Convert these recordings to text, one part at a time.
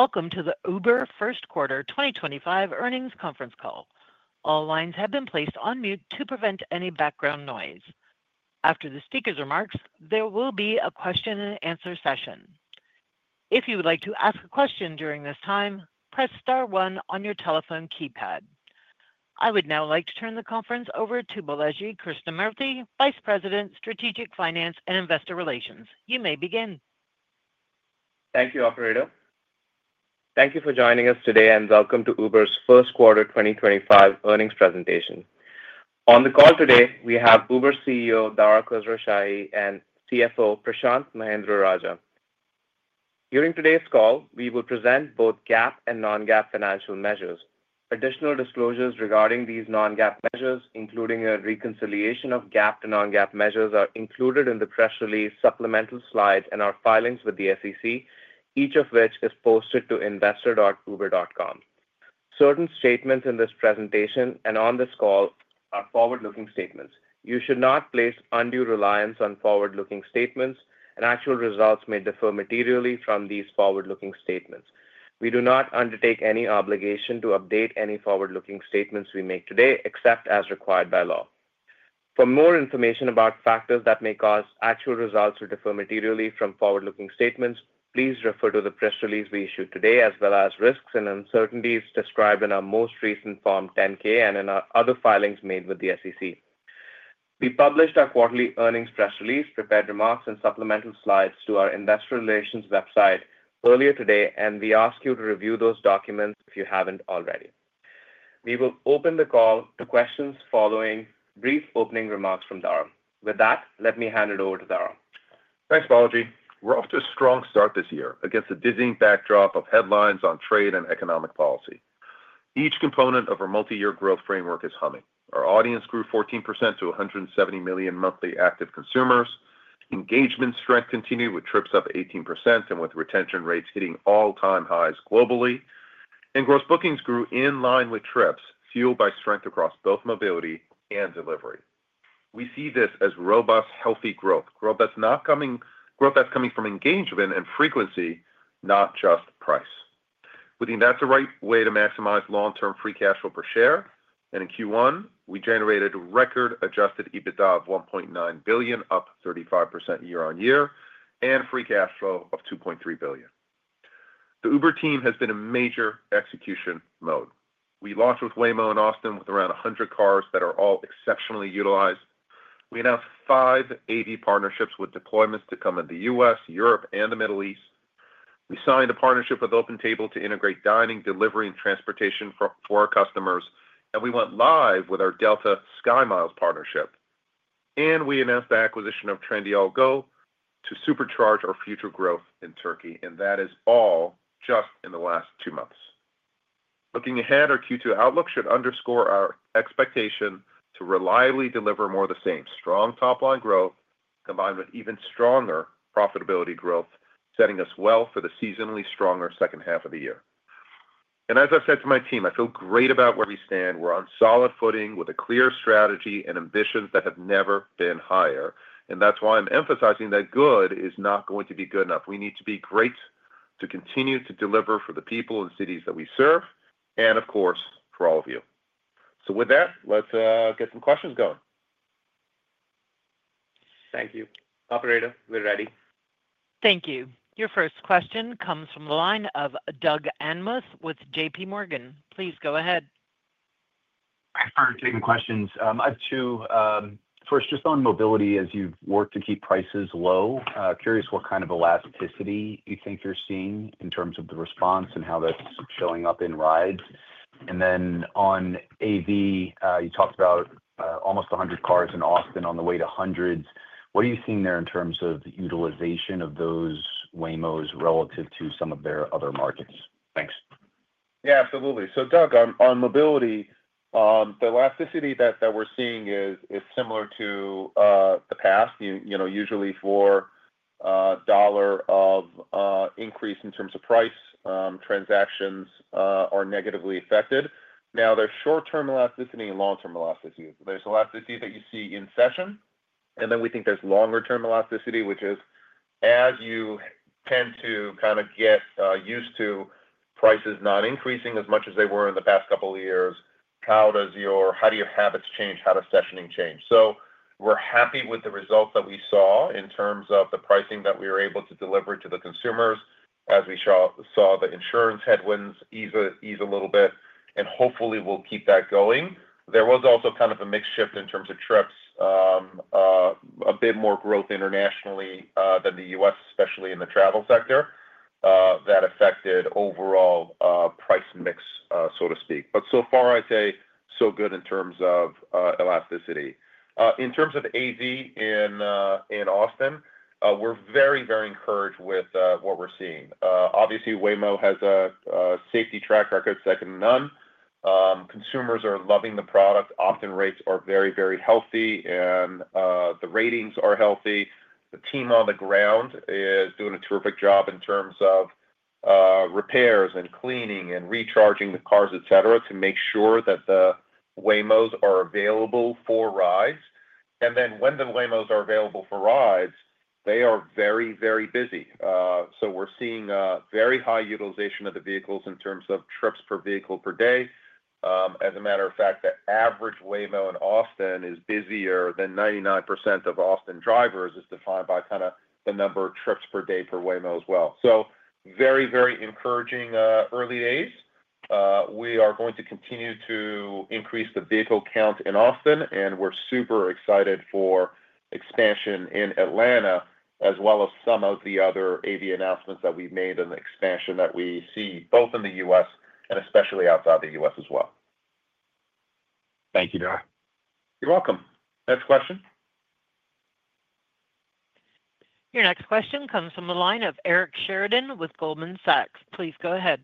Welcome to the Uber First Quarter 2025 earnings conference call. All lines have been placed on mute to prevent any background noise. After the speaker's remarks, there will be a question-and-answer session. If you would like to ask a question during this time, press star one on your telephone keypad. I would now like to turn the conference over to Balaji Krishnamurthy, Vice President, Strategic Finance and Investor Relations. You may begin. Thank you, Operator. Thank you for joining us today, and welcome to Uber's First Quarter 2025 earnings presentation. On the call today, we have Uber CEO Dara Khosrowshahi and CFO Prashanth Mahendra-Rajah. During today's call, we will present both GAAP and non-GAAP financial measures. Additional disclosures regarding these non-GAAP measures, including a reconciliation of GAAP to non-GAAP measures, are included in the press release supplemental slides and our filings with the SEC, each of which is posted to investor.uber.com. Certain statements in this presentation and on this call are forward-looking statements. You should not place undue reliance on forward-looking statements. Actual results may differ materially from these forward-looking statements. We do not undertake any obligation to update any forward-looking statements we make today, except as required by law. For more information about factors that may cause actual results to differ materially from forward-looking statements, please refer to the press release we issued today, as well as risks and uncertainties described in our most recent Form 10-K and in our other filings made with the SEC. We published our quarterly earnings press release, prepared remarks, and supplemental slides to our investor relations website earlier today, and we ask you to review those documents if you haven't already. We will open the call to questions following brief opening remarks from Dara. With that, let me hand it over to Dara. Thanks, Balaji. We're off to a strong start this year against a dizzying backdrop of headlines on trade and economic policy. Each component of our multi-year growth framework is humming. Our audience grew 14% to 170 million monthly active consumers. Engagement strength continued with trips up 18% and with retention rates hitting all-time highs globally. Gross bookings grew in line with trips, fueled by strength across both mobility and delivery. We see this as robust, healthy growth, growth that's coming from engagement and frequency, not just price. We think that's the right way to maximize long-term free cash flow per share. In Q1, we generated a record adjusted EBITDA of $1.9 billion, up 35% year-on-year, and free cash flow of $2.3 billion. The Uber team has been in major execution mode. We launched with Waymo in Austin with around 100 cars that are all exceptionally utilized. We announced five AV partnerships with deployments to come in the U.S., Europe, and the Middle East. We signed a partnership with OpenTable to integrate dining, delivery, and transportation for our customers. We went live with our Delta SkyMiles partnership. We announced the acquisition of Trendyol Go to supercharge our future growth in Turkey. That is all just in the last two months. Looking ahead, our Q2 outlook should underscore our expectation to reliably deliver more of the same strong top-line growth combined with even stronger profitability growth, setting us well for the seasonally stronger second half of the year. As I've said to my team, I feel great about where we stand. We're on solid footing with a clear strategy and ambitions that have never been higher. That is why I'm emphasizing that good is not going to be good enough. We need to be great to continue to deliver for the people and cities that we serve, and of course, for all of you. Let's get some questions going. Thank you. Operator, we're ready. Thank you. Your first question comes from the line of Doug Anmuth with JPMorgan. Please go ahead. As far as taking questions. I have two. First, just on mobility, as you've worked to keep prices low, curious what kind of elasticity you think you're seeing in terms of the response and how that's showing up in rides. Then on AV, you talked about almost 100 cars in Austin on the way to hundreds. What are you seeing there in terms of utilization of those Waymos relative to some of their other markets? Thanks. Yeah, absolutely. Doug, on mobility, the elasticity that we're seeing is similar to the past. Usually, for a dollar of increase in terms of price, transactions are negatively affected. Now, there's short-term elasticity and long-term elasticity. There's elasticity that you see in session. We think there's longer-term elasticity, which is as you tend to kind of get used to prices not increasing as much as they were in the past couple of years, how do your habits change, how does sessioning change? We're happy with the results that we saw in terms of the pricing that we were able to deliver to the consumers as we saw the insurance headwinds ease a little bit. Hopefully, we'll keep that going. There was also kind of a mixed shift in terms of trips, a bit more growth internationally than the U.S., especially in the travel sector, that affected overall price mix, so to speak. So far, I'd say so good in terms of elasticity. In terms of AV in Austin, we're very, very encouraged with what we're seeing. Obviously, Waymo has a safety track record second to none. Consumers are loving the product. Option rates are very, very healthy, and the ratings are healthy. The team on the ground is doing a terrific job in terms of repairs and cleaning and recharging the cars, etc., to make sure that the Waymos are available for rides. When the Waymos are available for rides, they are very, very busy. We are seeing very high utilization of the vehicles in terms of trips per vehicle per day. As a matter of fact, the average Waymo in Austin is busier than 99% of Austin drivers, as defined by kind of the number of trips per day per Waymo as well. Very, very encouraging early days. We are going to continue to increase the vehicle count in Austin, and we're super excited for expansion in Atlanta, as well as some of the other AV announcements that we've made on the expansion that we see both in the U.S. and especially outside the U.S. as well. Thank you, Dara. You're welcome. Next question. Your next question comes from the line of Eric Sheridan with Goldman Sachs. Please go ahead.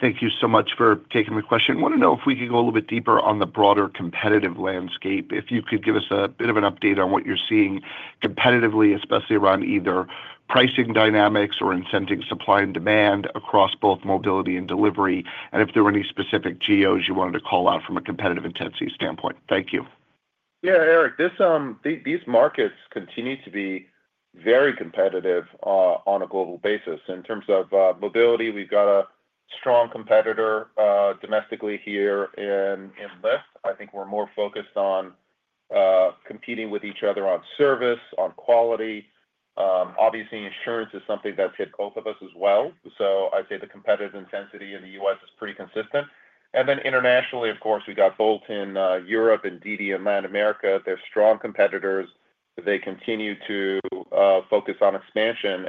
Thank you so much for taking my question. Want to know if we could go a little bit deeper on the broader competitive landscape. If you could give us a bit of an update on what you're seeing competitively, especially around either pricing dynamics or incenting supply and demand across both mobility and delivery, and if there were any specific GOs you wanted to call out from a competitive intensity standpoint. Thank you. Yeah, Eric, these markets continue to be very competitive on a global basis. In terms of mobility, we've got a strong competitor domestically here in Lyft. I think we're more focused on competing with each other on service, on quality. Obviously, insurance is something that's hit both of us as well. I'd say the competitive intensity in the U.S. is pretty consistent. Internationally, of course, we've got Bolt in Europe and DiDi in Latin America. They're strong competitors. They continue to focus on expansion.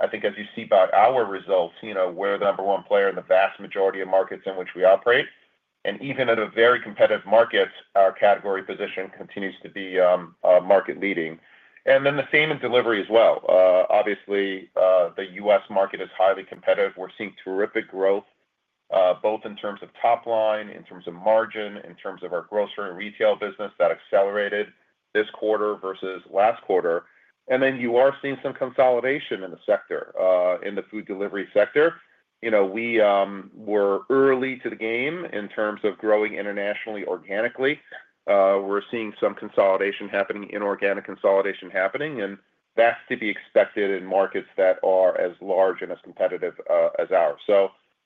I think as you see by our results, we're the number one player in the vast majority of markets in which we operate. Even in a very competitive market, our category position continues to be market-leading. The same in delivery as well. Obviously, the U.S. market is highly competitive. We're seeing terrific growth, both in terms of top line, in terms of margin, in terms of our grocery and retail business that accelerated this quarter versus last quarter. You are seeing some consolidation in the sector, in the food delivery sector. We were early to the game in terms of growing internationally organically. We're seeing some consolidation happening, inorganic consolidation happening. That is to be expected in markets that are as large and as competitive as ours.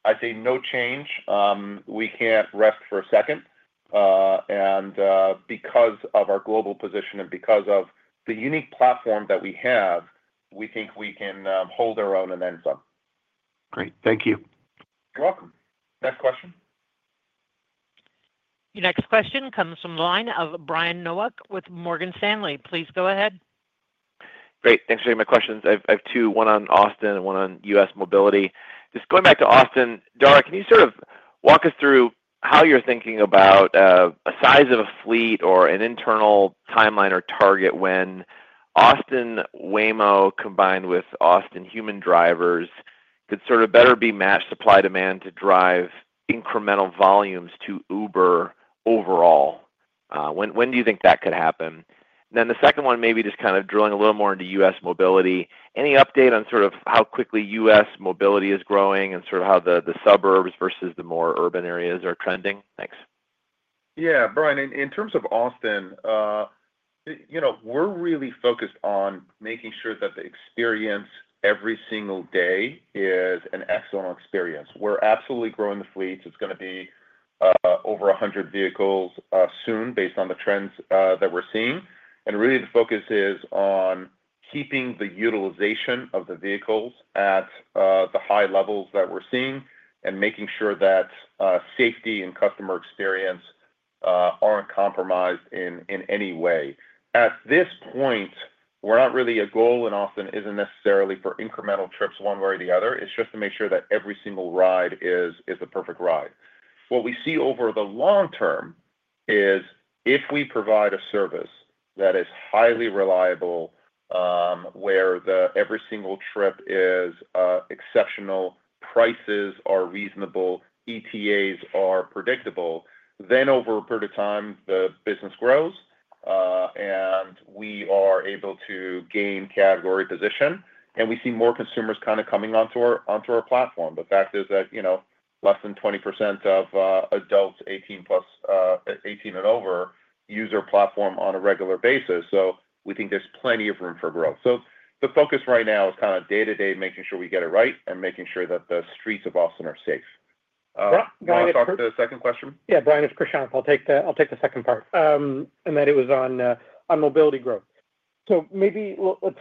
I'd say no change. We can't rest for a second. Because of our global position and because of the unique platform that we have, we think we can hold our own and then some. Great. Thank you. You're welcome. Next question. Your next question comes from the line of Brian Nowak with Morgan Stanley. Please go ahead. Great. Thanks for taking my questions. I have two, one on Austin and one on U.S. mobility. Just going back to Austin, Dara, can you sort of walk us through how you're thinking about a size of a fleet or an internal timeline or target when Austin Waymo combined with Austin human drivers could sort of better be matched supply-demand to drive incremental volumes to Uber overall? When do you think that could happen? The second one, maybe just kind of drilling a little more into U.S. mobility. Any update on sort of how quickly U.S. mobility is growing and sort of how the suburbs versus the more urban areas are trending? Thanks. Yeah, Brian, in terms of Austin, we're really focused on making sure that the experience every single day is an excellent experience. We're absolutely growing the fleets. It's going to be over 100 vehicles soon based on the trends that we're seeing. Really, the focus is on keeping the utilization of the vehicles at the high levels that we're seeing and making sure that safety and customer experience aren't compromised in any way. At this point, our goal in Austin isn't necessarily for incremental trips one way or the other. It's just to make sure that every single ride is the perfect ride. What we see over the long term is if we provide a service that is highly reliable, where every single trip is exceptional, prices are reasonable, ETAs are predictable, then over a period of time, the business grows and we are able to gain category position. We see more consumers kind of coming onto our platform. The fact is that less than 20% of adults 18 and over use our platform on a regular basis. We think there's plenty of room for growth. The focus right now is kind of day-to-day making sure we get it right and making sure that the streets of Austin are safe. Can I talk to the second question? Yeah, Brian its Prashanth. I'll take the second part. That was on mobility growth. Maybe let's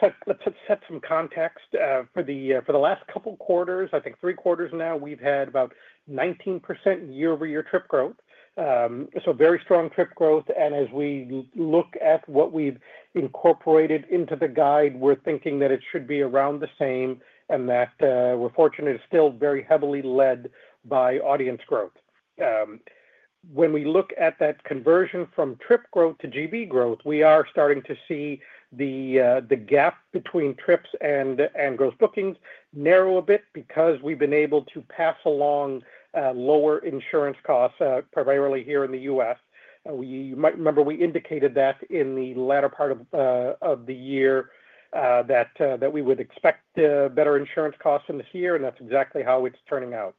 set some context. For the last couple of quarters, I think three quarters now, we've had about 19% year-over-year trip growth. Very strong trip growth. As we look at what we've incorporated into the guide, we're thinking that it should be around the same and that we're fortunate it's still very heavily led by audience growth. When we look at that conversion from trip growth to GB growth, we are starting to see the gap between trips and gross bookings narrow a bit because we've been able to pass along lower insurance costs, primarily here in the U.S. You might remember we indicated that in the latter part of the year that we would expect better insurance costs in this year, and that's exactly how it's turning out.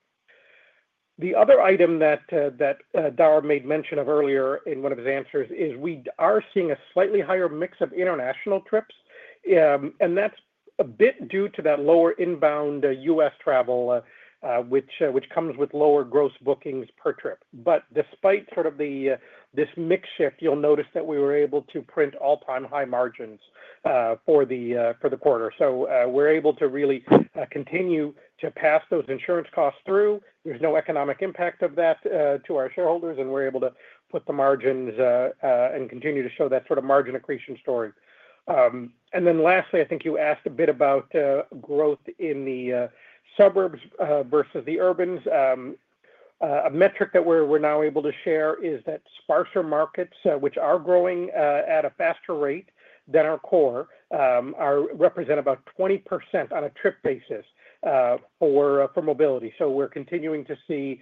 The other item that Dara made mention of earlier in one of his answers is we are seeing a slightly higher mix of international trips. That is a bit due to that lower inbound U.S. travel, which comes with lower gross bookings per trip. Despite sort of this mix shift, you'll notice that we were able to print all-time high margins for the quarter. We are able to really continue to pass those insurance costs through. There is no economic impact of that to our shareholders, and we are able to put the margins and continue to show that sort of margin accretion story. Lastly, I think you asked a bit about growth in the suburbs versus the urbans. A metric that we're now able to share is that sparser markets, which are growing at a faster rate than our core, represent about 20% on a trip basis for mobility. We are continuing to see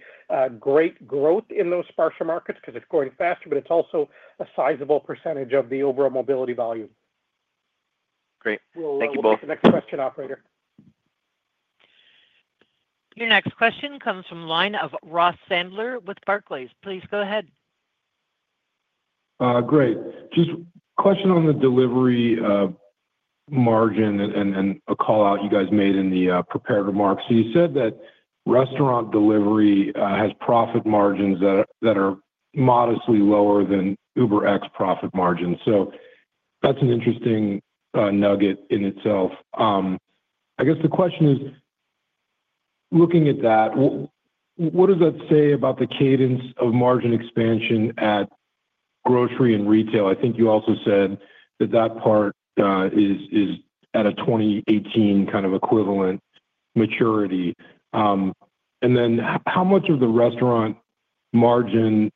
great growth in those sparser markets because it's growing faster, but it's also a sizable percentage of the overall mobility volume. Great. Thank you both. We'll move to the next question, Operator. Your next question comes from the line of Ross Sandler with Barclays. Please go ahead. Great. Just a question on the delivery margin and a callout you guys made in the prepared remarks. You said that restaurant delivery has profit margins that are modestly lower than UberX profit margins. That is an interesting nugget in itself. I guess the question is, looking at that, what does that say about the cadence of margin expansion at grocery and retail? I think you also said that that part is at a 2018 kind of equivalent maturity. Then how much of the restaurant margin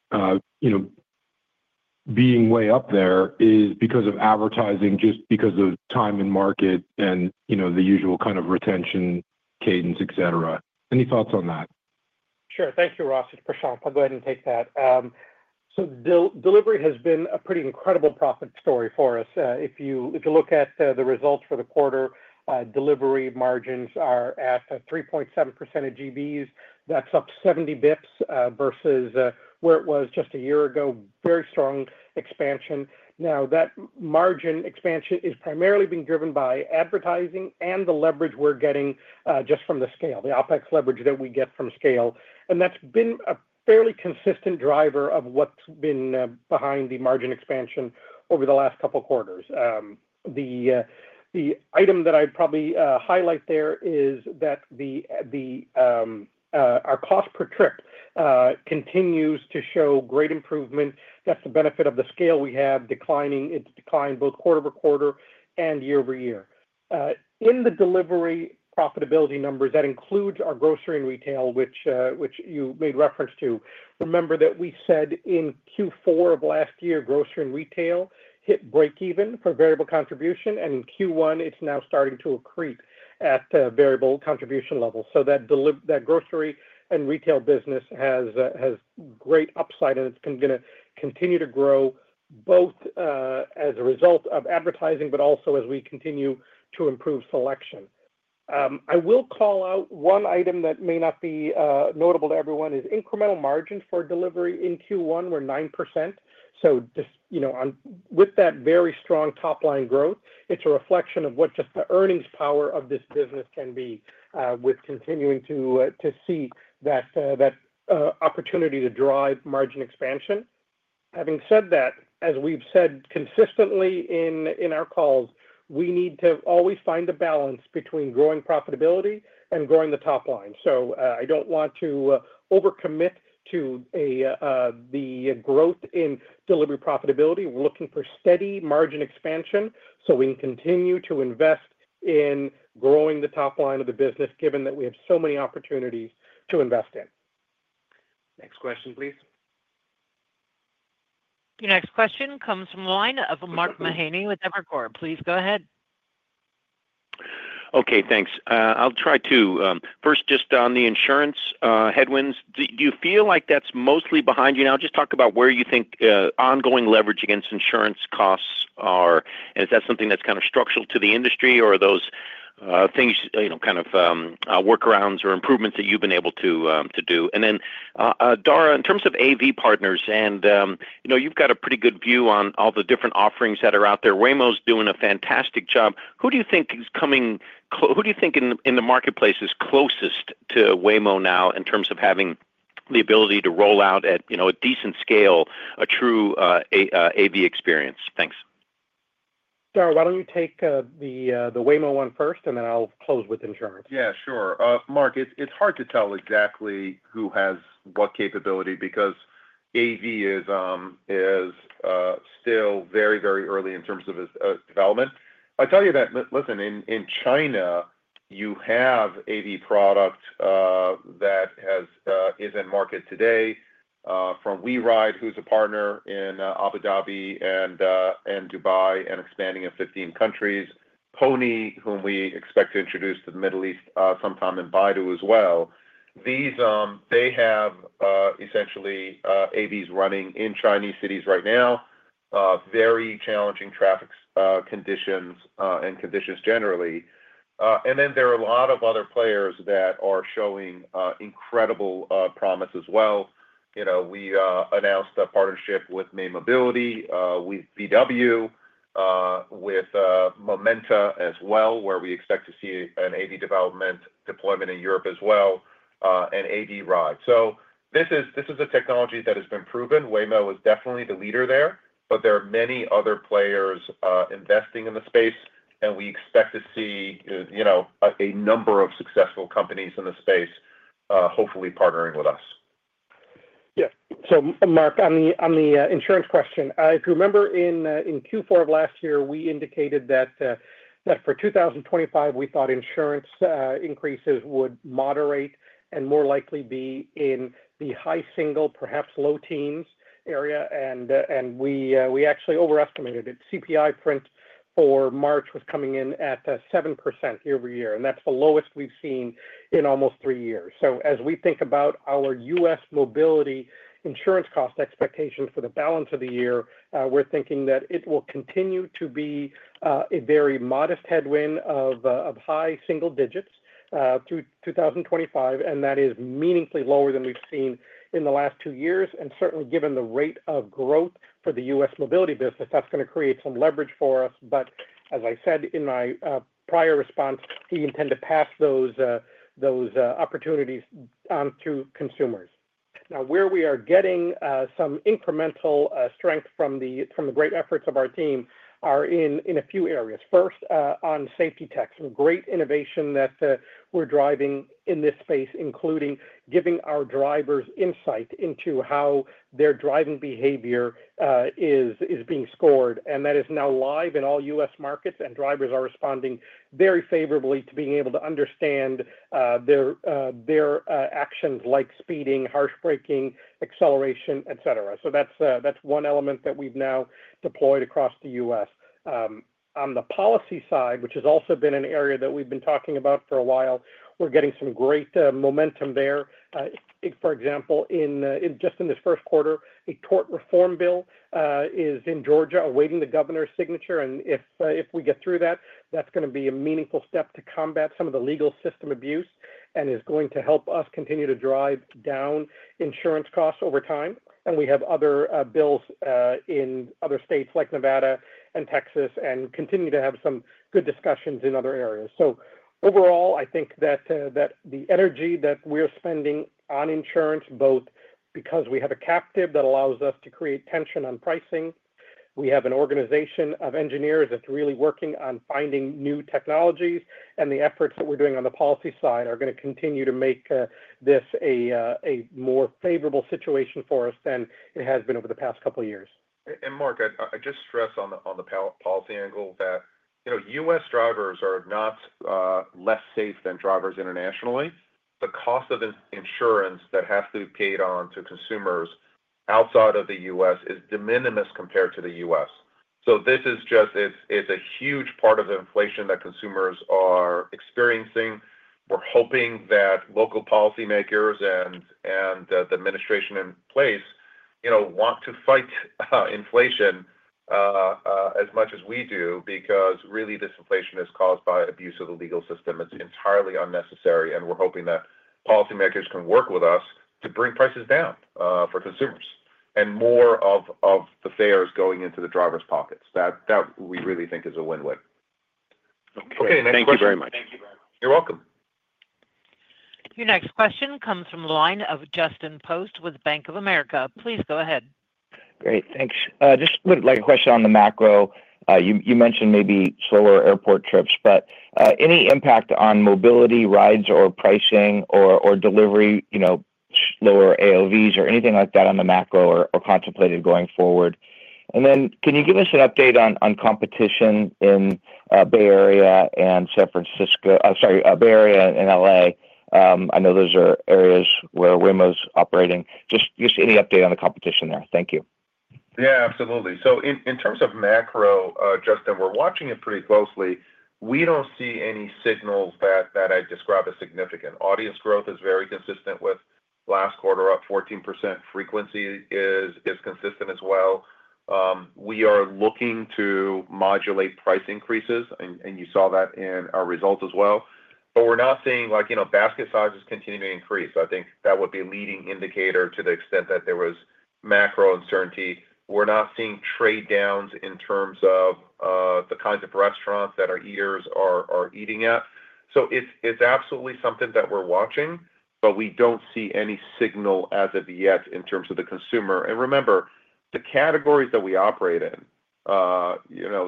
being way up there is because of advertising, just because of time and market and the usual kind of retention cadence, etc.? Any thoughts on that? Sure. Thank you, Ross its Prashanth. I'll go ahead and take that. Delivery has been a pretty incredible profit story for us. If you look at the results for the quarter, delivery margins are at 3.7% of GBs. That's up 70 basis points versus where it was just a year ago. Very strong expansion. That margin expansion is primarily being driven by advertising and the leverage we're getting just from the scale, the OPEX leverage that we get from scale. That's been a fairly consistent driver of what's been behind the margin expansion over the last couple of quarters. The item that I'd probably highlight there is that our cost per trip continues to show great improvement. That's the benefit of the scale we have. It's declined both quarter-over-quarter and year-over-year. In the delivery profitability numbers, that includes our grocery and retail, which you made reference to. Remember that we said in Q4 of last year, grocery and retail hit break-even for variable contribution. In Q1, it's now starting to accrete at variable contribution levels. That grocery and retail business has great upside, and it's going to continue to grow both as a result of advertising, but also as we continue to improve selection. I will call out one item that may not be notable to everyone is incremental margins for delivery. In Q1, we're 9%. With that very strong top-line growth, it's a reflection of what just the earnings power of this business can be with continuing to see that opportunity to drive margin expansion. Having said that, as we've said consistently in our calls, we need to always find a balance between growing profitability and growing the top line. I don't want to overcommit to the growth in delivery profitability. We're looking for steady margin expansion so we can continue to invest in growing the top line of the business, given that we have so many opportunities to invest in. Next question, please. Your next question comes from the line of Mark Mahaney with Evercore. Please go ahead. Okay. Thanks. I'll try too. First, just on the insurance headwinds, do you feel like that's mostly behind you now? Just talk about where you think ongoing leverage against insurance costs are. Is that something that's kind of structural to the industry, or are those things kind of workarounds or improvements that you've been able to do? Dara, in terms of AV partners, and you've got a pretty good view on all the different offerings that are out there. Waymo's doing a fantastic job. Who do you think is coming? Who do you think in the marketplace is closest to Waymo now in terms of having the ability to roll out at a decent scale a true AV experience? Thanks. Dara, why don't you take the Waymo one first, and then I'll close with insurance? Yeah, sure. Mark, it's hard to tell exactly who has what capability because AV is still very, very early in terms of its development. I'll tell you that, listen, in China, you have AV product that is in market today from WeRide, who's a partner in Abu Dhabi and Dubai and expanding in 15 countries. Pony, whom we expect to introduce to the Middle East sometime, and Baidu as well. They have essentially AVs running in Chinese cities right now. Very challenging traffic conditions and conditions generally. There are a lot of other players that are showing incredible promise as well. We announced a partnership with May Mobility, with VW, with Momenta as well, where we expect to see an AV deployment in Europe as well, and Avride. This is a technology that has been proven. Waymo is definitely the leader there, but there are many other players investing in the space, and we expect to see a number of successful companies in the space hopefully partnering with us. Yeah. Mark, on the insurance question, if you remember in Q4 of last year, we indicated that for 2025, we thought insurance increases would moderate and more likely be in the high single, perhaps low teens area. We actually overestimated it. CPI print for March was coming in at 7% year-over-year, and that's the lowest we've seen in almost three years. As we think about our U.S. mobility insurance cost expectations for the balance of the year, we're thinking that it will continue to be a very modest headwind of high single digits through 2025, and that is meaningfully lower than we've seen in the last two years. Certainly, given the rate of growth for the US mobility business, that's going to create some leverage for us. As I said in my prior response, we intend to pass those opportunities on to consumers. Now, where we are getting some incremental strength from the great efforts of our team are in a few areas. First, on safety tech, some great innovation that we're driving in this space, including giving our drivers insight into how their driving behavior is being scored. That is now live in all U.S. markets, and drivers are responding very favorably to being able to understand their actions like speeding, harsh braking, acceleration, etc. That is one element that we've now deployed across the U.S. On the policy side, which has also been an area that we've been talking about for a while, we're getting some great momentum there. For example, just in this first quarter, a tort reform bill is in Georgia awaiting the governor's signature. If we get through that, that's going to be a meaningful step to combat some of the legal system abuse and is going to help us continue to drive down insurance costs over time. We have other bills in other states like Nevada and Texas and continue to have some good discussions in other areas. Overall, I think that the energy that we're spending on insurance, both because we have a captive that allows us to create tension on pricing, we have an organization of engineers that's really working on finding new technologies, and the efforts that we're doing on the policy side are going to continue to make this a more favorable situation for us than it has been over the past couple of years. Mark, I just stress on the policy angle that U.S. drivers are not less safe than drivers internationally. The cost of insurance that has to be paid on to consumers outside of the U.S. is de minimis compared to the US. This is just a huge part of the inflation that consumers are experiencing. We're hoping that local policymakers and the administration in place want to fight inflation as much as we do because really this inflation is caused by abuse of the legal system. It's entirely unnecessary. We're hoping that policymakers can work with us to bring prices down for consumers and more of the fares going into the driver's pockets. That we really think is a win-win. Okay. Thank you very much. You're welcome. Your next question comes from the line of Justin Post with Bank of America. Please go ahead. Great. Thanks. Just like a question on the macro, you mentioned maybe slower airport trips, but any impact on mobility rides or pricing or delivery, slower AOVs or anything like that on the macro or contemplated going forward? Can you give us an update on competition in Bay Area and San Francisco? Sorry, Bay Area and L.A. I know those are areas where Waymo's operating. Just any update on the competition there? Thank you. Yeah, absolutely. In terms of macro, Justin, we're watching it pretty closely. We don't see any signals that I'd describe as significant. Audience growth is very consistent with last quarter, up 14%. Frequency is consistent as well. We are looking to modulate price increases, and you saw that in our results as well. We're not seeing basket sizes continue to increase. I think that would be a leading indicator to the extent that there was macro uncertainty. We're not seeing trade downs in terms of the kinds of restaurants that our eaters are eating at. It is absolutely something that we're watching, but we don't see any signal as of yet in terms of the consumer. Remember, the categories that we operate in,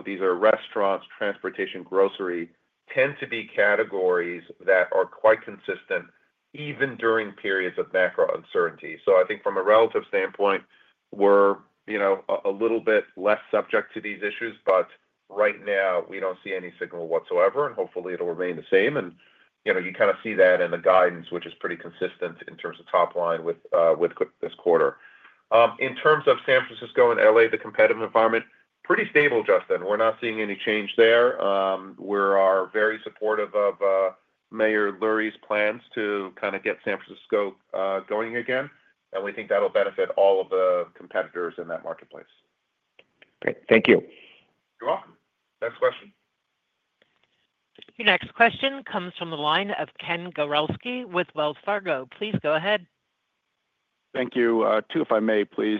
these are restaurants, transportation, grocery, tend to be categories that are quite consistent even during periods of macro uncertainty. I think from a relative standpoint, we're a little bit less subject to these issues, but right now, we don't see any signal whatsoever, and hopefully, it'll remain the same. You kind of see that in the guidance, which is pretty consistent in terms of top line with this quarter. In terms of San Francisco and L.A., the competitive environment, pretty stable, Justin. We're not seeing any change there. We are very supportive of Mayor Lurie's plans to kind of get San Francisco going again. We think that'll benefit all of the competitors in that marketplace. Great. Thank you. You're welcome. Next question. Your next question comes from the line of Ken Gawrelski with Wells Fargo. Please go ahead. Thank you. Two, if I may, please.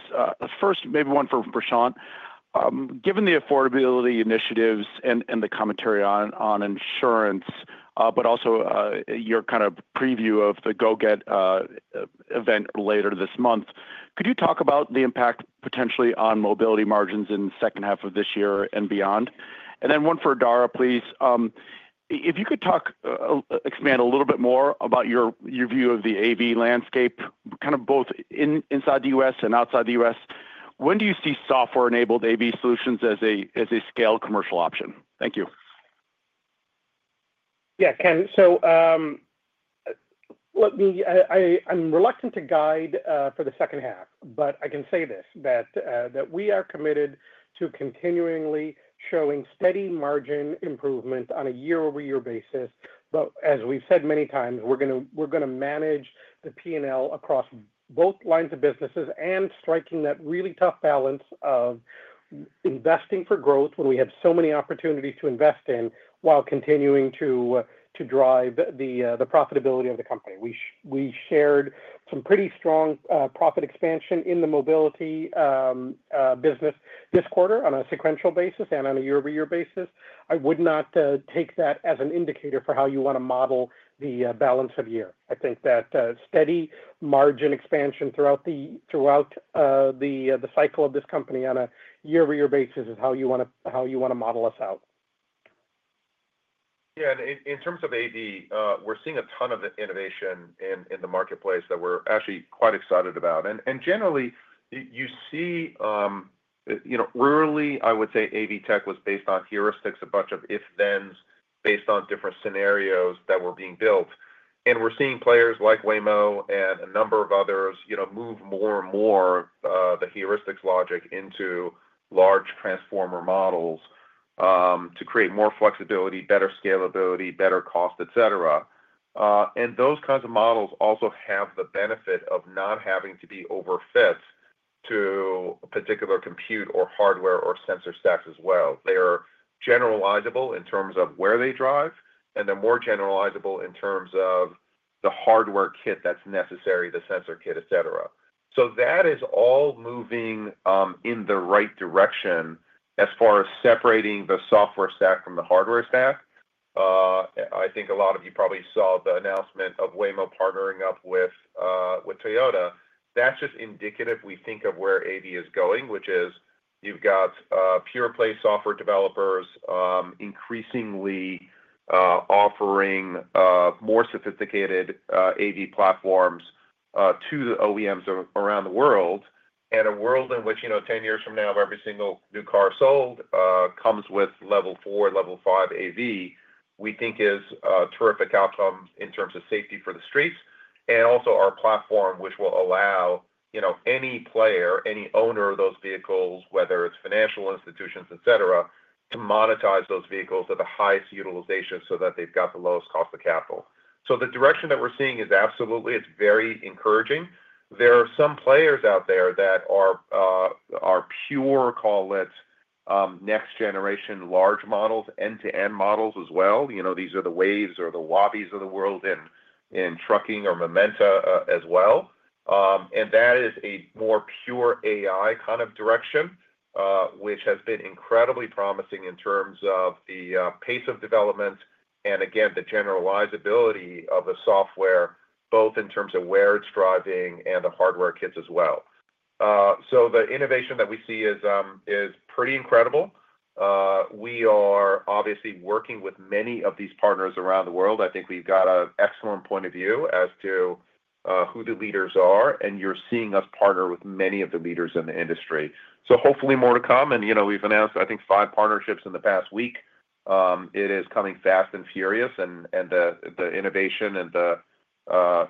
First, maybe one for Prashanth. Given the affordability initiatives and the commentary on insurance, but also your kind of preview of the GO-GET event later this month, could you talk about the impact potentially on mobility margins in the second half of this year and beyond? Then one for Dara, please. If you could expand a little bit more about your view of the AV landscape, kind of both inside the U.S. and outside the U.S., when do you see software-enabled AV solutions as a scaled commercial option? Thank you. Yeah, Ken. I'm reluctant to guide for the second half, but I can say this: we are committed to continuingly showing steady margin improvement on a year-over-year basis. As we've said many times, we're going to manage the P&L across both lines of businesses and striking that really tough balance of investing for growth when we have so many opportunities to invest in while continuing to drive the profitability of the company. We shared some pretty strong profit expansion in the mobility business this quarter on a sequential basis and on a year-over-year basis. I would not take that as an indicator for how you want to model the balance of year. I think that steady margin expansion throughout the cycle of this company on a year-over-year basis is how you want to model us out. Yeah. In terms of AV, we're seeing a ton of innovation in the marketplace that we're actually quite excited about. Generally, you see rarely, I would say, AV tech was based on heuristics, a bunch of if-thens based on different scenarios that were being built. We're seeing players like Waymo and a number of others move more and more of the heuristics logic into large transformer models to create more flexibility, better scalability, better cost, etc. Those kinds of models also have the benefit of not having to be overfit to a particular compute or hardware or sensor stacks as well. They are generalizable in terms of where they drive, and they're more generalizable in terms of the hardware kit that's necessary, the sensor kit, etc. That is all moving in the right direction as far as separating the software stack from the hardware stack. I think a lot of you probably saw the announcement of Waymo partnering up with Toyota. That is just indicative, we think, of where AV is going, which is you have got pure-play software developers increasingly offering more sophisticated AV platforms to the OEMs around the world. A world in which 10 years from now, every single new car sold comes with level 4, level 5 AV, we think is a terrific outcome in terms of safety for the streets and also our platform, which will allow any player, any owner of those vehicles, whether it is financial institutions, etc., to monetize those vehicles at the highest utilization so that they have got the lowest cost of capital. The direction that we are seeing is absolutely very encouraging. There are some players out there that are pure, call it next-generation large models, end-to-end models as well. These are the Wayve or the Waabi of the world in trucking or Momenta as well. That is a more pure AI kind of direction, which has been incredibly promising in terms of the pace of development and, again, the generalizability of the software, both in terms of where it's driving and the hardware kits as well. The innovation that we see is pretty incredible. We are obviously working with many of these partners around the world. I think we've got an excellent point of view as to who the leaders are, and you're seeing us partner with many of the leaders in the industry. Hopefully more to come. We've announced, I think, five partnerships in the past week. It is coming fast and furious, and the innovation and the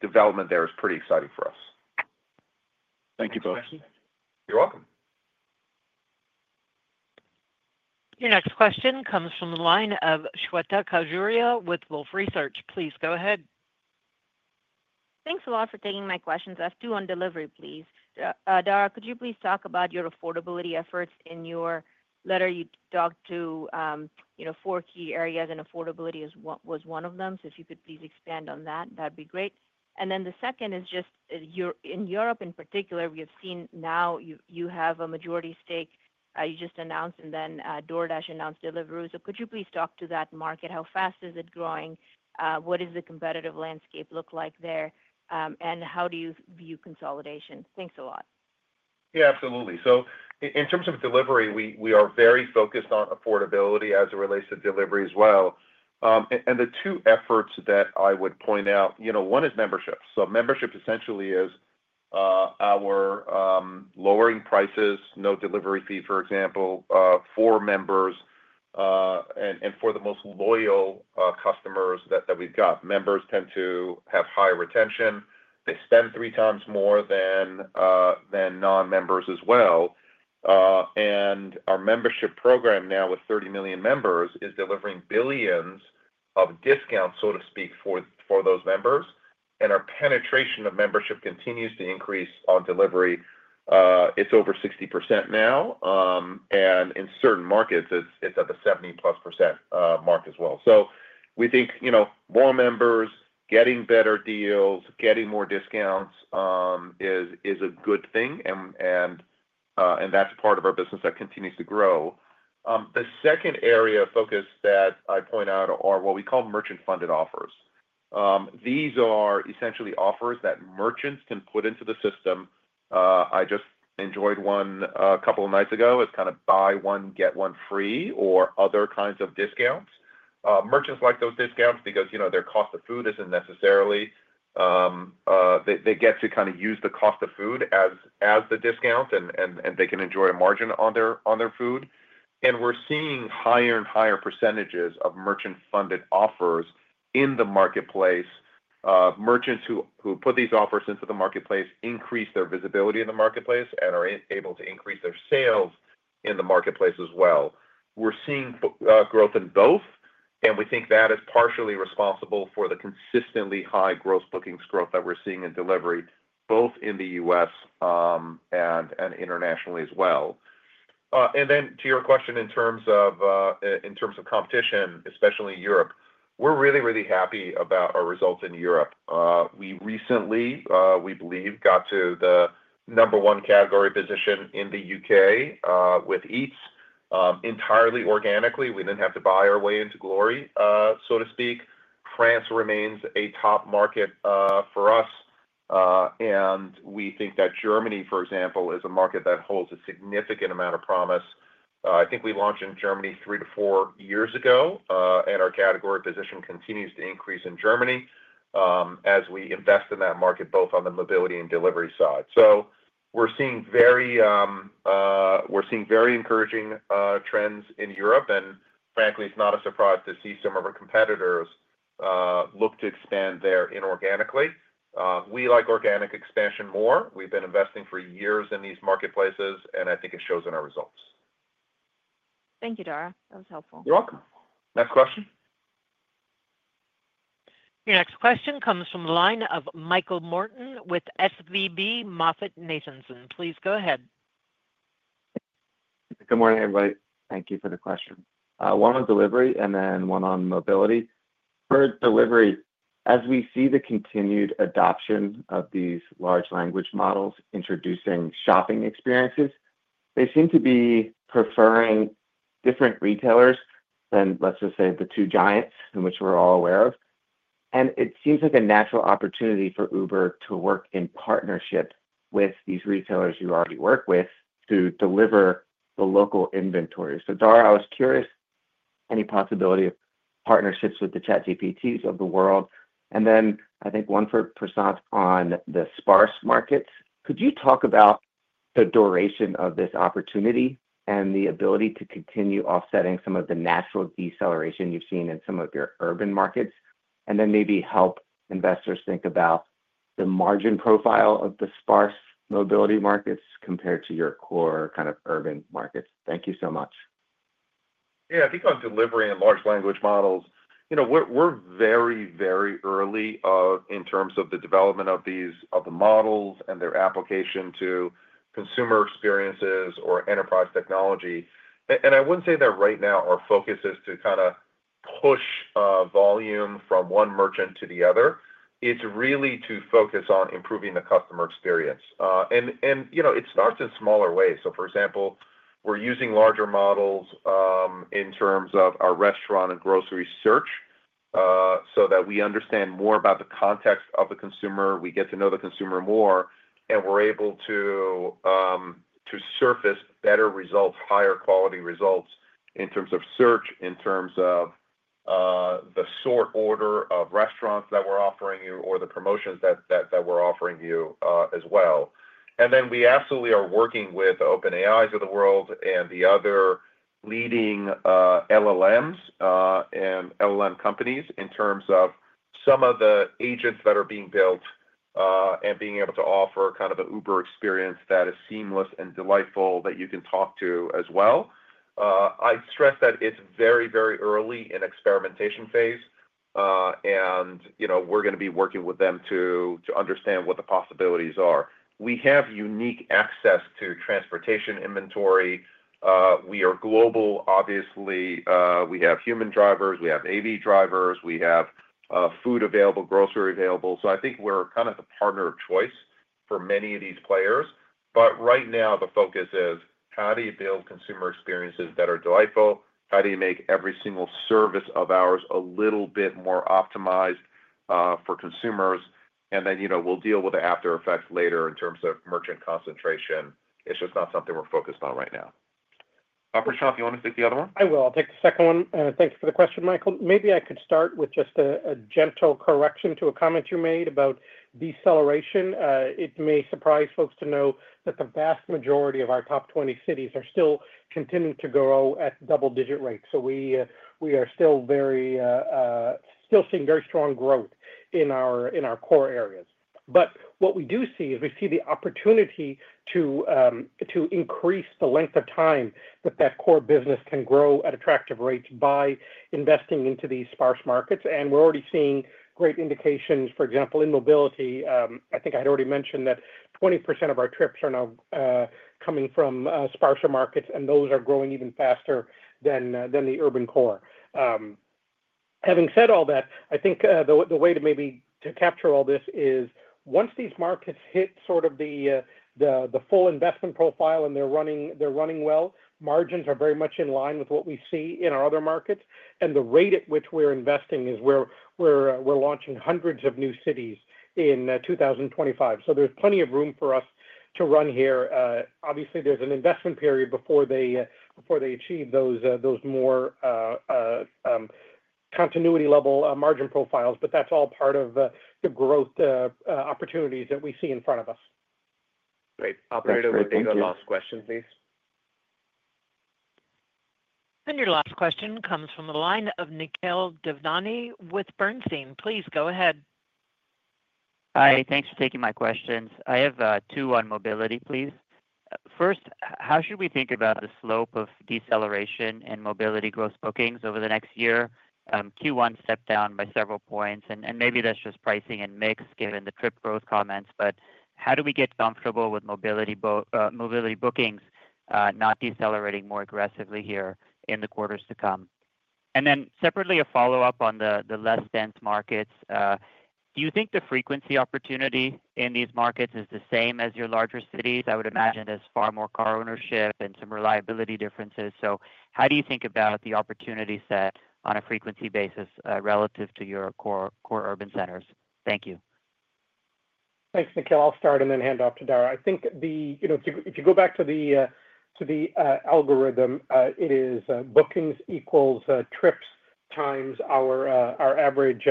development there is pretty exciting for us. Thank you both. TYou're welcome. Your next question comes from the line of Shweta Khajuria with Wolfe Research. Please go ahead. Thanks a lot for taking my questions off. Two on delivery, please. Dara, could you please talk about your affordability efforts in your letter? You talked to four key areas, and affordability was one of them. If you could please expand on that, that'd be great. The second is just in Europe in particular, we have seen now you have a majority stake. You just announced, and then DoorDash announced Deliveroo. Could you please talk to that market? How fast is it growing? What does the competitive landscape look like there? How do you view consolidation? Thanks a lot. Yeah, absolutely. In terms of delivery, we are very focused on affordability as it relates to delivery as well. The two efforts that I would point out, one is membership. Membership essentially is our lowering prices, no delivery fee, for example, for members and for the most loyal customers that we've got. Members tend to have higher retention. They spend three times more than non-members as well. Our membership program now with 30 million members is delivering billions of discounts, so to speak, for those members. Our penetration of membership continues to increase on delivery. It's over 60% now. In certain markets, it's at the 70%+ mark as well. We think more members, getting better deals, getting more discounts is a good thing. That's part of our business that continues to grow. The second area of focus that I point out are what we call merchant-funded offers. These are essentially offers that merchants can put into the system. I just enjoyed one a couple of nights ago. It's kind of buy one, get one free or other kinds of discounts. Merchants like those discounts because their cost of food isn't necessarily they get to kind of use the cost of food as the discount, and they can enjoy a margin on their food. We're seeing higher and higher percentages of merchant-funded offers in the marketplace. Merchants who put these offers into the marketplace increase their visibility in the marketplace and are able to increase their sales in the marketplace as well. We're seeing growth in both, and we think that is partially responsible for the consistently high gross bookings growth that we're seeing in delivery, both in the U.S. and internationally as well. To your question in terms of competition, especially in Europe, we're really, really happy about our results in Europe. We recently, we believe, got to the number one category position in the U.K. with Eats. Entirely organically, we didn't have to buy our way into glory, so to speak. France remains a top market for us. We think that Germany, for example, is a market that holds a significant amount of promise. I think we launched in Germany three to four years ago, and our category position continues to increase in Germany as we invest in that market, both on the mobility and delivery side. We're seeing very encouraging trends in Europe. Frankly, it's not a surprise to see some of our competitors look to expand there inorganically. We like organic expansion more. We've been investing for years in these marketplaces, and I think it shows in our results. Thank you, Dara. That was helpful. You're welcome. Next question. Your next question comes from the line of Michael Morton with SVB MoffettNathanson. Please go ahead. Good morning, everybody. Thank you for the question. One on delivery and then one on mobility. For delivery, as we see the continued adoption of these large language models introducing shopping experiences, they seem to be preferring different retailers than, let's just say, the two giants in which we're all aware of. It seems like a natural opportunity for Uber to work in partnership with these retailers you already work with to deliver the local inventory. Dara, I was curious, any possibility of partnerships with the ChatGPTs of the world? I think one for Krishnamurthy on the sparse markets. Could you talk about the duration of this opportunity and the ability to continue offsetting some of the natural deceleration you've seen in some of your urban markets? Maybe help investors think about the margin profile of the sparse mobility markets compared to your core kind of urban markets. Thank you so much. Yeah. I think on delivery and large language models, we're very, very early in terms of the development of the models and their application to consumer experiences or enterprise technology. I wouldn't say that right now our focus is to kind of push volume from one merchant to the other. It's really to focus on improving the customer experience. It starts in smaller ways. For example, we're using larger models in terms of our restaurant and grocery search so that we understand more about the context of the consumer. We get to know the consumer more, and we're able to surface better results, higher quality results in terms of search, in terms of the sort order of restaurants that we're offering you or the promotions that we're offering you as well. We absolutely are working with OpenAIs of the world and the other leading LLMs and LLM companies in terms of some of the agents that are being built and being able to offer kind of an Uber experience that is seamless and delightful that you can talk to as well. I stress that it's very, very early in experimentation phase, and we're going to be working with them to understand what the possibilities are. We have unique access to transportation inventory. We are global, obviously. We have human drivers. We have AV drivers. We have food available, grocery available. I think we're kind of the partner of choice for many of these players. Right now, the focus is how do you build consumer experiences that are delightful? How do you make every single service of ours a little bit more optimized for consumers? We'll deal with the aftereffects later in terms of merchant concentration. It's just not something we're focused on right now. Prashanth, do you want to take the other one? I will. I'll take the second one. Thanks for the question, Michael. Maybe I could start with just a gentle correction to a comment you made about deceleration. It may surprise folks to know that the vast majority of our top 20 cities are still continuing to grow at double-digit rates. We are still seeing very strong growth in our core areas. What we do see is we see the opportunity to increase the length of time that that core business can grow at attractive rates by investing into these sparse markets. We are already seeing great indications, for example, in mobility. I think I had already mentioned that 20% of our trips are now coming from sparser markets, and those are growing even faster than the urban core. Having said all that, I think the way to maybe capture all this is once these markets hit sort of the full investment profile and they're running well, margins are very much in line with what we see in our other markets. The rate at which we're investing is we're launching hundreds of new cities in 2025. There is plenty of room for us to run here. Obviously, there is an investment period before they achieve those more continuity-level margin profiles, but that's all part of the growth opportunities that we see in front of us. Great. Operator, would you take the last question, please? Your last question comes from the line of Nikhil Devnani with Bernstein. Please go ahead. Hi. Thanks for taking my questions. I have two on mobility, please. First, how should we think about the slope of deceleration in mobility gross bookings over the next year? Q1 stepped down by several points. Maybe that's just pricing and mix given the trip growth comments. How do we get comfortable with mobility bookings not decelerating more aggressively here in the quarters to come? Separately, a follow-up on the less dense markets. Do you think the frequency opportunity in these markets is the same as your larger cities? I would imagine there's far more car ownership and some reliability differences. How do you think about the opportunity set on a frequency basis relative to your core urban centers? Thank you. Thanks, Nikhil. I'll start and then hand off to Dara. I think if you go back to the algorithm, it is bookings equals trips times our average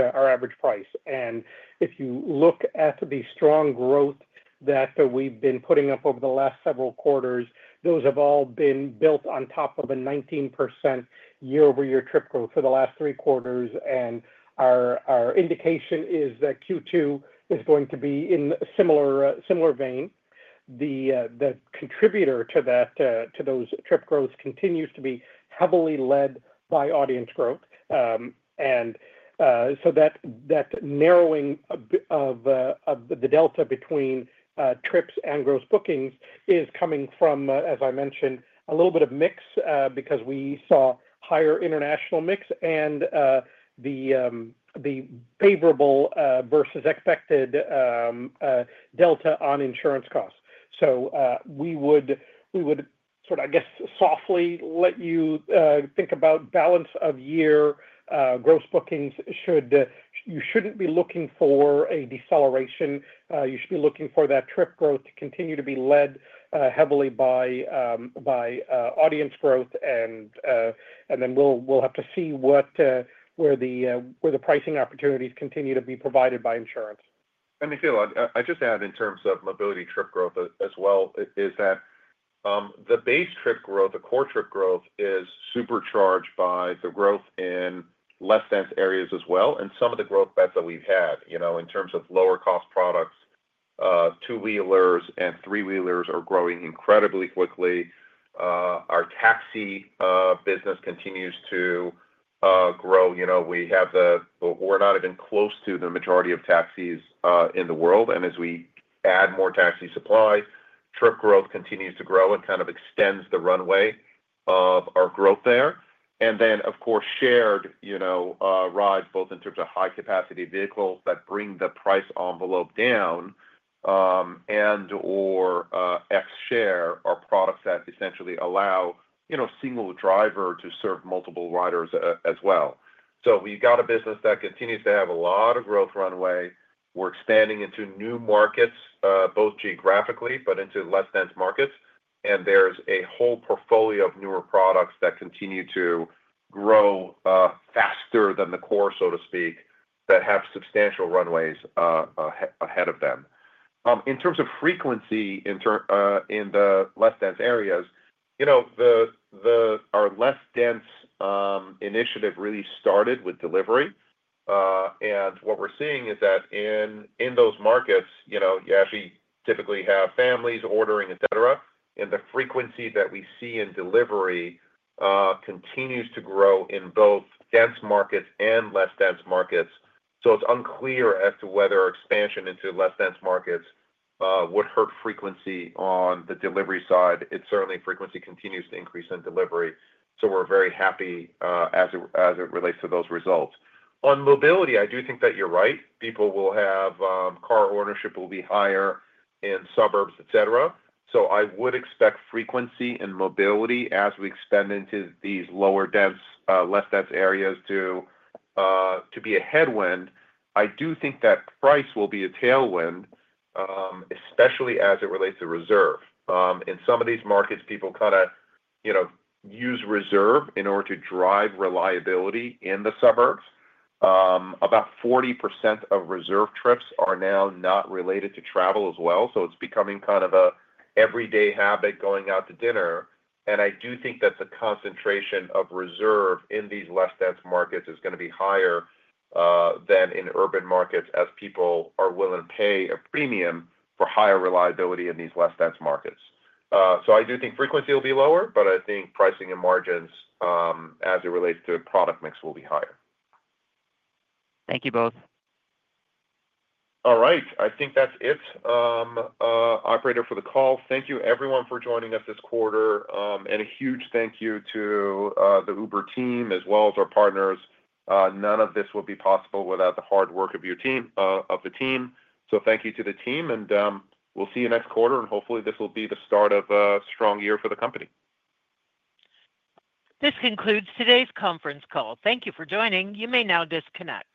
price. If you look at the strong growth that we've been putting up over the last several quarters, those have all been built on top of a 19% year-over-year trip growth for the last three quarters. Our indication is that Q2 is going to be in a similar vein. The contributor to those trip growths continues to be heavily led by audience growth. That narrowing of the delta between trips and gross bookings is coming from, as I mentioned, a little bit of mix because we saw higher international mix and the favorable versus expected delta on insurance costs. We would sort of, I guess, softly let you think about balance of year gross bookings. You shouldn't be looking for a deceleration. You should be looking for that trip growth to continue to be led heavily by audience growth. You will have to see where the pricing opportunities continue to be provided by insurance. Nikhil, I just add in terms of mobility trip growth as well, is that the base trip growth, the core trip growth, is supercharged by the growth in less dense areas as well. Some of the growth that we've had in terms of lower-cost products, two-wheelers and three-wheelers are growing incredibly quickly. Our taxi business continues to grow. We're not even close to the majority of taxis in the world. As we add more taxi supply, trip growth continues to grow and kind of extends the runway of our growth there. Of course, shared rides, both in terms of high-capacity vehicles that bring the price envelope down and/or UberX Share are products that essentially allow single driver to serve multiple riders as well. We've got a business that continues to have a lot of growth runway. We're expanding into new markets, both geographically, but into less dense markets. There's a whole portfolio of newer products that continue to grow faster than the core, so to speak, that have substantial runways ahead of them. In terms of frequency in the less dense areas, our less dense initiative really started with delivery. What we're seeing is that in those markets, you actually typically have families ordering, etc. The frequency that we see in delivery continues to grow in both dense markets and less dense markets. It's unclear as to whether expansion into less dense markets would hurt frequency on the delivery side. Certainly frequency continues to increase in delivery. We're very happy as it relates to those results. On mobility, I do think that you're right. People will have car ownership will be higher in suburbs, etc. I would expect frequency in mobility as we expand into these lower dense, less dense areas to be a headwind. I do think that price will be a tailwind, especially as it relates to Reserve. In some of these markets, people kind of use Reserve in order to drive reliability in the suburbs. About 40% of Reserve trips are now not related to travel as well. It is becoming kind of an everyday habit going out to dinner. I do think that the concentration of Reserve in these less dense markets is going to be higher than in urban markets as people are willing to pay a premium for higher reliability in these less dense markets. I do think frequency will be lower, but I think pricing and margins as it relates to product mix will be higher. Thank you both. All right. I think that's it, Operator, for the call. Thank you, everyone, for joining us this quarter. A huge thank you to the Uber team as well as our partners. None of this would be possible without the hard work of the team. Thank you to the team. We'll see you next quarter. Hopefully, this will be the start of a strong year for the company. This concludes today's conference call. Thank you for joining. You may now disconnect.